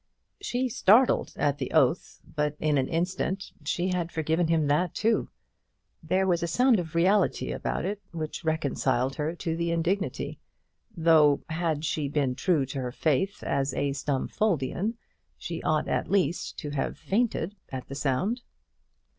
She started at the oath, but in an instant she had forgiven him that too. There was a sound of reality about it, which reconciled her to the indignity; though, had she been true to her faith as a Stumfoldian, she ought at least to have fainted at the sound.